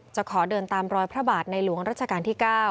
ขอเดินตามรอยพระบาทในหลวงรัชกาลที่๙